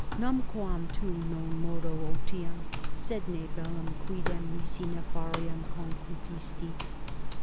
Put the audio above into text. Numquam tu non modo otium, sed ne bellum quidem nisi nefarium concupisti.